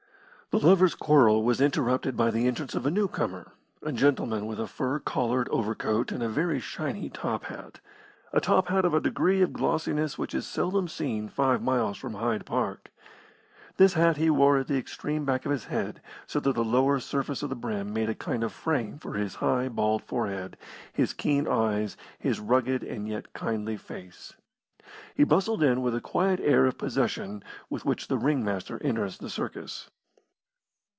The lovers' quarrel was interrupted by the entrance of a newcomer, a gentleman with a fur collared overcoat and a very shiny top hat a top hat of a degree of glossiness which is seldom seen five miles from Hyde Park. This hat he wore at the extreme back of his head, so that the lower surface of the brim made a kind of frame for his high, bald forehead, his, keen eyes, his rugged and yet kindly face. He bustled in with the quiet air of possession with which the ring master enters the circus.